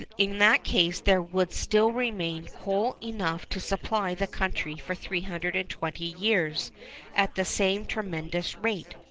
In that case there would still remain coal enough to supply the country for 320 years at the same tremendous rate.